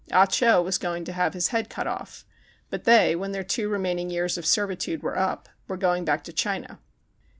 Ah Cho was going to have his head cut off, but they, when their two remaining years of servitude were up, were going back to China.